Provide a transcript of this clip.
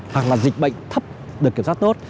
hoặc là dịch bệnh thấp được kiểm soát tốt